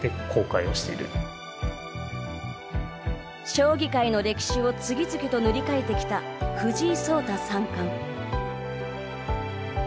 将棋界の歴史を次々と塗り替えてきた藤井聡太三冠。